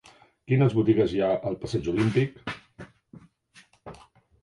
Quines botigues hi ha al passeig Olímpic?